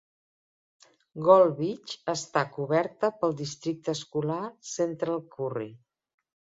Gold Beach està coberta pel districte escolar Central Curry.